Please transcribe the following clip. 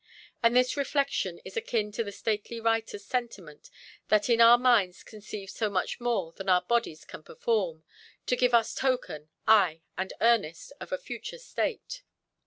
And this reflection is akin to the stately writerʼs sentiment, that our minds conceive so much more than our bodies can perform, to give us token, ay, and earnest, of a future state.